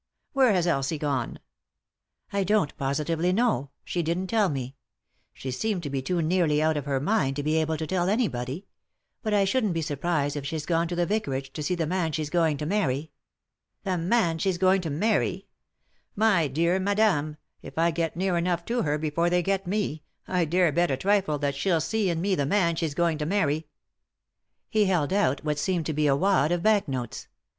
Where has Elsie gone ?"" I don't positively know ; she didn't tell me ; she seemed to be too nearly out of her mind to be able to tell anybody ; but I shouldn't be surprised if she's gone to the vicarage to see the man she's going to marry." " The man she's going to marry 1 My dear madame, if I get near enough to her before they get me I dare bet a trifle that she'll see in me the man she's a8ti 3i 9 iii^d by Google THE INTERRUPTED KISS going to marry." H« held out what seemed to be a wad of bank notes.